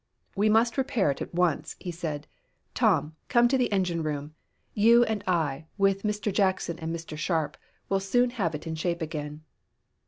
"We must repair it at once," he said. "Tom, come to the engine room. You and I, with Mr. Jackson and Mr. Sharp, will soon have it in shape again."